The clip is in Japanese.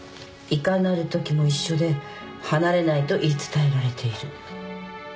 いかなるときも一緒で離れないと言い伝えられている。